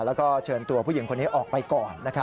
แล้วก็เชิญตัวผู้หญิงคนนี้ออกไปก่อน